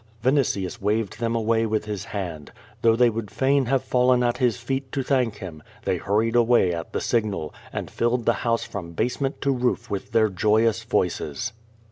Vinitius waved them away with his hand. Though they would fain have fallen at his feet to thank him, they hurried away at the signal, and filled the house from basement to roof with their joyous voices.